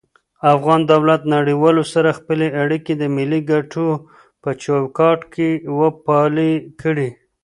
افغان دولت نړيوالو سره خپلی اړيکي د ملي کټو په چوکاټ کي وپالی کړي